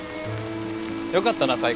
よかったな。